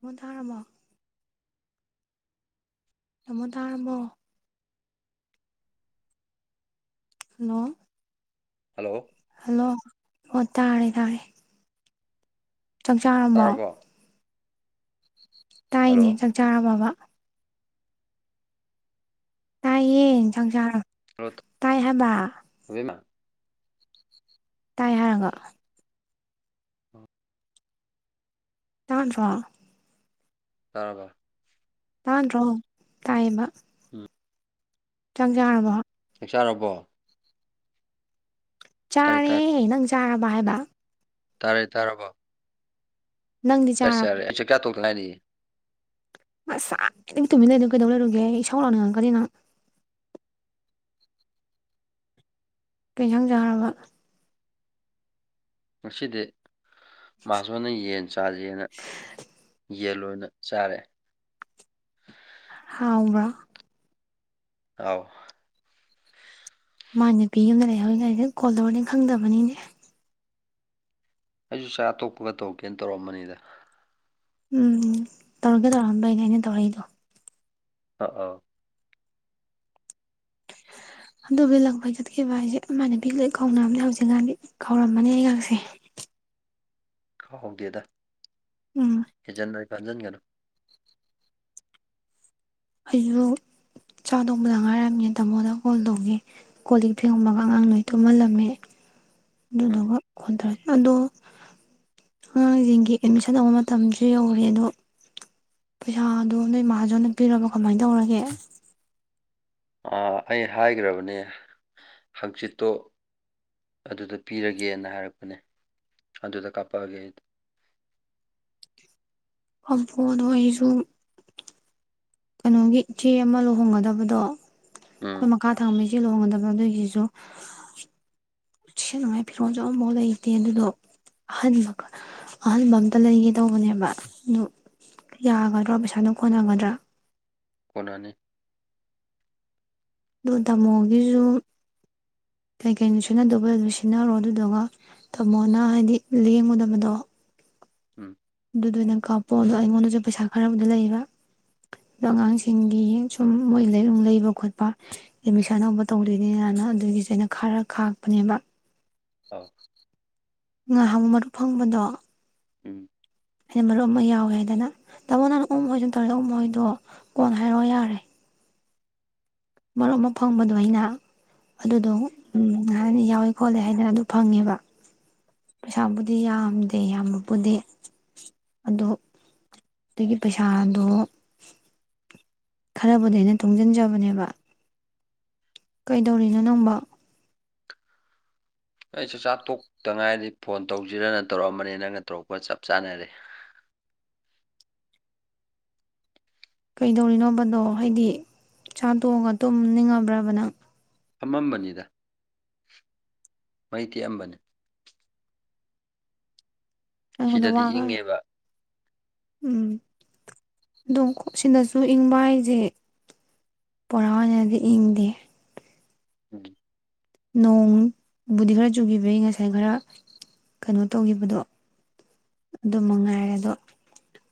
ꯃꯨ ꯇꯔꯕꯣ ꯅꯃ ꯇꯥꯔꯝꯕꯣ ꯍꯜꯂꯣ ꯍꯜꯂꯣ ꯍꯜꯂꯣ ꯑꯣ ꯇꯥꯔꯦ ꯇꯥꯔꯦ ꯆꯥꯛꯆꯥꯥꯔꯝꯃꯣ ꯇꯥꯔꯕꯣ ꯇꯥꯏꯅꯦ ꯍꯜꯂꯣ ꯆꯥꯛ ꯆꯥꯔ ꯕꯥ ꯇꯥꯏꯌꯦ ꯆꯪꯁꯔ ꯍꯃ ꯇꯥꯏ ꯍꯥꯏꯔꯒ ꯇꯥꯗꯔꯣ ꯇꯔ ꯇꯥꯗꯔꯣ ꯇꯥꯏꯃꯕ ꯎꯝ ꯆꯥꯛ ꯆꯥꯔꯕꯣ ꯆ ꯆꯥꯔꯕꯣ ꯇꯥꯔꯦ ꯆꯥꯔꯤ ꯇꯥꯔꯦ ꯅꯪ ꯀꯥꯝꯕ ꯍꯥꯏꯕ ꯇꯥꯔꯦ ꯇꯥꯔꯔꯕ ꯅꯪꯗꯤ ꯆꯥꯔꯕ ꯑꯦꯆꯥ ꯀꯌꯥ ꯇ ꯐꯅꯤ ꯑꯁ ꯇꯨꯃꯤꯟꯅ ꯂꯩ ꯑꯗꯨꯝ ꯀꯩꯗꯧ ꯂꯩꯔꯨꯒꯦ ꯑꯩ ꯁꯥꯎ ꯂꯥꯎꯅꯤꯡꯉꯛꯀꯅꯤ ꯅꯪ ꯀꯩꯁꯪꯖꯔꯕ ꯉꯁꯤꯗꯤ ꯃꯥꯁꯣꯟꯅ ꯌꯦꯟ ꯆꯥꯖꯦꯅ ꯌꯦꯟ ꯑꯣꯏꯅ ꯆꯥꯔꯦ ꯍꯥꯎꯕ꯭ꯔ ꯑꯥꯎ ꯃꯥ ꯅꯨꯄꯤ ꯑꯃꯗ ꯂꯩꯍꯋꯏ ꯀꯁꯦ ꯀꯣꯜꯗꯧꯔꯗꯤ ꯈꯪꯗꯕꯅꯤꯅꯦ ꯑꯩꯁꯨ ꯆꯥꯛ ꯑꯇꯣꯞꯄꯒ ꯇꯧꯔꯀꯦꯅ ꯇꯧꯔꯛꯑꯝꯕꯅꯤꯗ ꯎꯝ ꯇꯧꯔꯀꯦ ꯇꯧꯔꯛꯑꯝꯗꯣꯏꯅꯦ ꯑꯩꯅ ꯇꯧꯔꯛꯏꯗꯣ ꯑ ꯑꯥ ꯑꯗꯨ ꯤꯂꯛꯄ ꯆꯠꯀꯦꯈꯤꯕ ꯍꯥꯏꯁꯦ ꯑꯗꯨꯃꯥꯏꯅ ꯚ ꯂꯣꯏ ꯈꯥꯎꯝꯅꯦ ꯍꯧꯖꯤꯛꯀꯥꯟꯗꯤ ꯀꯥꯎꯔꯝꯃꯅꯤ ꯑꯩꯍꯥꯛꯁꯦ ꯈꯥꯎꯥꯎꯒꯦꯗ ꯎꯝ ꯖꯟ ꯟꯖꯟ ꯀꯩꯅꯣ ꯑꯩꯁꯨ ꯆꯥ ꯊꯣꯡꯕꯗ ꯉꯥꯏꯔꯝꯃꯦ ꯇꯥꯃꯣꯗ ꯀꯣꯜ ꯇꯧꯒꯦ ꯀꯣꯜ ꯂꯤ ꯐꯦꯡꯉꯃꯒ ꯑꯉꯥꯡ ꯅꯣꯏ ꯊꯨꯝꯍꯜꯂꯝꯃꯦ ꯅꯅ ꯎꯝ ꯈꯣꯟꯊ ꯑꯗꯣ ꯑꯉꯥꯡꯁꯤꯡꯒꯤ ꯑꯦꯠꯃꯤꯁꯟ ꯇꯧꯕ ꯃꯇꯝꯁꯨ ꯌꯧꯔꯦ ꯑꯗꯣ ꯄꯩꯁꯥꯗꯣ ꯅꯣꯏ ꯏꯃꯥꯖꯣ ꯅꯛꯄꯤꯔꯕꯣ ꯀꯃꯥꯏ ꯇꯧꯔꯒꯦ ꯑꯩ ꯍꯥꯏꯈ꯭ꯔꯕꯅꯦ ꯍꯪꯆꯤꯠꯇꯣ ꯑꯗꯨꯗ ꯄꯤꯔꯒꯦꯅ ꯍꯥꯏꯔꯛꯄꯅꯦ ꯑꯗꯨꯗ ꯀꯥꯞꯄꯛꯑꯒꯦ ꯑꯩ ꯑꯕ ꯑꯗꯨ ꯑꯣꯏꯩꯁꯨꯁꯨ ꯀꯩꯅꯣꯒꯤ ꯏꯆꯦ ꯑꯃ ꯂꯨꯍꯣꯡꯒꯗꯕꯗꯣ ꯎꯝ ꯑꯩꯣꯏ ꯃꯈꯥ ꯊꯥꯡꯃꯤ ꯆꯦꯜ ꯂꯣꯡꯒꯗꯕ ꯑꯗꯨꯒꯤꯁꯨ ꯁꯦꯠꯅꯉꯥꯏ ꯐꯤꯔꯣꯜꯁꯨ ꯑꯝꯐꯥꯎ ꯂꯩꯇꯦ ꯑꯗꯨꯗꯣ ꯑꯍꯟꯕ ꯑꯍꯟꯕ ꯑꯝꯇ ꯂꯩꯒꯦ ꯇꯧꯕꯅꯦꯕ ꯑꯗꯨ ꯌꯥꯒꯗ꯭ꯔꯣ ꯄꯩꯁꯥꯗꯨꯣ ꯈꯣꯟꯅꯒꯗ꯭ꯔꯥ ꯀꯅꯥꯅꯤ ꯑꯗꯨ ꯇꯥꯃꯣꯒꯤꯁꯨ ꯀꯩꯀꯩꯅꯣ ꯁꯤꯟꯅꯗꯧꯕ ꯑꯗꯨ ꯁꯤꯖꯤꯟꯅꯔꯣ ꯑꯗꯨꯗꯨꯒ ꯇꯥꯃꯣꯅ ꯍꯥꯏꯗꯤ ꯂꯦꯡꯉꯨꯗꯕꯗꯣ ꯎꯝ ꯑꯗꯨꯗ ꯑꯣꯏꯅ ꯀꯥꯞꯄꯣ ꯑꯗꯣ ꯑꯩꯉꯣꯟꯗꯁꯨ ꯄꯩꯁꯥ ꯈꯔꯕꯨꯗꯤ ꯂꯩꯕ ꯑꯗꯣ ꯑꯉꯥꯡꯁꯤꯡꯒꯤ ꯁꯨꯝ ꯃꯣꯏ ꯂꯩꯅꯨꯡ ꯂꯩꯕ ꯈꯣꯠꯄ ꯑꯦꯠꯃꯤꯁꯟ ꯍꯧꯕ ꯇꯧꯗꯣꯏꯅꯦꯅꯅ ꯑꯗꯨꯒꯤꯁꯦ ꯑꯩꯅ ꯈꯔ ꯀꯥꯛꯄꯅꯦꯕ ꯑꯣ ꯉꯥꯏꯍꯥꯛ ꯃꯔꯨꯞ ꯐꯪꯕꯗꯣ ꯎꯝ ꯍꯥꯏꯗꯤ ꯃꯔꯨꯞ ꯑꯃ ꯌꯥꯎꯋꯦ ꯍꯥꯏꯗꯅ ꯇꯥꯃꯣ ꯅꯍꯅ ꯎꯝ ꯍꯣꯏꯁꯨ ꯇꯧꯔ ꯎ ꯍꯣꯏꯗꯣ ꯀꯣꯟ ꯍꯥꯏꯔꯛꯑꯣ ꯌꯥꯔꯦ ꯃꯔꯨꯞ ꯑꯃ ꯐꯪꯕꯗꯣ ꯑꯩꯅ ꯑꯗꯨꯗꯣ ꯍꯥꯏꯅ ꯌꯥꯎꯏꯦ ꯈꯣꯠꯂꯦ ꯍꯥꯏꯗꯅ ꯑꯗꯨ ꯐꯪꯉꯦꯕ ꯄꯩꯁꯥꯕꯨꯗꯤ ꯌꯥꯝꯗꯦ ꯌꯥꯝꯕꯕꯨꯗꯤ ꯑꯗꯨ ꯑꯗꯨꯒꯤ ꯄꯩꯁꯥꯗꯣ ꯈꯔꯕꯨꯗꯤ ꯑꯩꯅ ꯇꯨꯡꯁꯤꯟꯖꯕꯅꯦꯕ ꯀꯩꯗꯧꯔꯤꯅꯣ ꯅꯪꯕ ꯑꯩꯁꯨ ꯆꯥꯛ ꯇꯣꯛꯇꯉꯥꯏꯗꯤ ꯐꯣꯟ ꯇꯧꯁꯤꯔꯅ ꯇꯧꯔꯛꯑꯝꯕꯅꯤ ꯅꯪꯅ ꯇꯧꯔꯛꯄ ꯆꯞ ꯆꯥꯅꯔꯦ ꯀꯩꯗꯧꯔꯤꯅꯣꯕꯗꯣ ꯍꯥꯏꯗꯤ ꯆꯥꯇꯣꯛꯑꯒ ꯇꯨꯝꯅꯤꯡꯉꯕ꯭ꯔꯕ ꯅꯪ ꯑꯃꯝꯕꯅꯤꯗ ꯃꯩ ꯇꯦꯛꯑꯝꯕꯅꯤ ꯑꯩꯉꯣꯟꯗ ꯁꯤꯗꯗꯤ ꯋꯥꯒ ꯏꯪꯉꯦꯕ ꯎꯝ ꯑꯗꯨꯝꯣꯛ ꯁꯤꯗꯁꯨ ꯏꯪꯕ ꯍꯥꯏꯁꯦ ꯣꯔꯥ ꯑꯣꯏꯅꯗꯤ ꯏꯪꯗꯦ ꯎꯝ ꯅꯣꯡꯕꯨꯗꯤ ꯈꯔ ꯆꯨꯈꯤꯕꯒꯤ ꯉꯁꯥꯏ ꯈꯔ ꯀꯩꯅꯣ ꯇꯧꯈꯤꯕꯗꯣ ꯑꯗꯨ ꯃꯉꯥꯏꯔꯦ ꯑꯗꯣ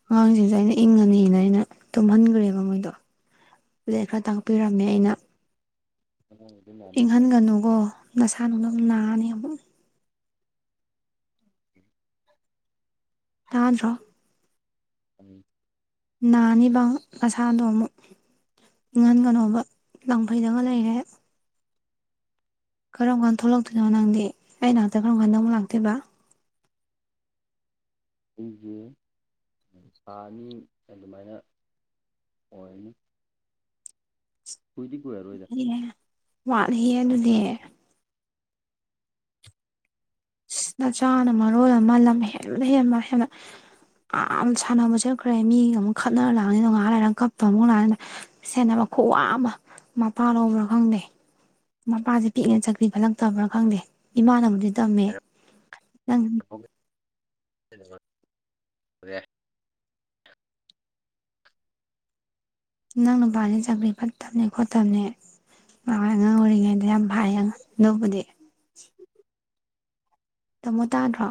ꯑꯉꯥꯡꯁꯤꯡꯁꯨ ꯑꯩꯅ ꯏꯪꯉꯅꯤꯅ ꯑꯩꯅ ꯇꯨꯝꯍꯟꯈ꯭ꯔꯦꯕ ꯃꯣꯏꯗꯣ ꯑꯗꯨꯗꯩ ꯈꯔ ꯇꯥꯛꯄꯤꯔꯝꯃꯦ ꯑꯩꯅ ꯑꯗꯨꯝ ꯌꯥꯅꯤꯀꯣ ꯏꯪꯍꯟꯒꯅꯨꯒꯣ ꯅꯁꯥ ꯅꯨꯡꯗ ꯅꯥꯅꯤ ꯑꯃ ꯑ ꯎꯝ ꯇꯥꯗ꯭ꯔ ꯎꯝ ꯥꯅꯤꯕ ꯅꯁꯥꯗꯣ ꯑꯃꯨꯛ ꯏꯪꯍꯟꯒꯅꯕ ꯂꯪꯐꯩꯗꯒ ꯂꯩꯔꯦ ꯀꯔꯝ ꯀꯥꯟꯗ ꯊꯣꯛꯂꯛꯇꯣꯏꯅꯣ ꯅꯪꯗꯤ ꯑꯩ ꯉꯍꯥꯛꯇ ꯀꯔꯝ ꯀꯥꯟꯗ ꯅꯧꯕ ꯂꯥꯛꯇꯣꯏꯕ ꯑꯩꯁꯦ ꯊꯥ ꯑꯅꯤ ꯑꯗꯨꯃꯥꯏꯅ ꯑꯣꯏꯅꯤ ꯍꯨꯏꯗꯤ ꯀꯨꯌꯥꯔꯣꯏꯗ ꯑꯦ ꯋꯥꯠꯂꯤꯌꯦ ꯑꯗꯨꯗꯤ ꯅꯆꯥꯅ ꯃꯔꯣꯜ ꯑꯃ ꯂꯝ ꯍꯦꯟꯕ ꯍꯦꯟꯕ ꯍꯦꯟꯅ ꯌꯥꯝ ꯁꯥꯟꯅꯕ ꯆꯠꯈ꯭ꯔꯦ ꯃꯤꯒ ꯑꯃꯨꯛ ꯈꯠꯅꯔ ꯂꯥꯛꯅꯤꯗ ꯉꯥ ꯂꯩꯔꯒ ꯀꯞꯄ ꯑꯃꯨꯛ ꯂꯥꯛꯑꯅꯤꯅ ꯁꯦꯟꯅꯕ ꯈꯨꯋꯥ ꯑꯃ ꯃꯄꯥꯥꯟ ꯂꯧꯕ꯭ꯔꯥ ꯈꯪꯗꯦ ꯃꯄꯥꯁꯦ ꯄꯤꯛꯏ ꯆꯀ꯭ꯔꯤ ꯐꯠꯂꯛꯇꯕ꯭ꯔꯥ ꯈꯪꯗꯦ ꯏꯃꯥꯅ ꯑꯃ ꯇꯝꯃꯦ ꯅꯪ [inaudible] ꯅꯪ ꯅꯨꯄꯥꯁꯦ ꯆꯥꯛꯀ꯭ꯔꯤ ꯐꯠꯇꯕꯅꯤ ꯈꯣꯠꯇꯕꯅꯤ ꯃꯥꯏ ꯑꯉꯥꯡ ꯑꯣꯏꯔꯤꯉꯩꯗ ꯌꯥꯝ ꯐꯌꯦ ꯑꯗꯨꯕꯨꯗꯤ ꯇꯥꯃꯣ ꯇꯥꯗ꯭ꯔꯣ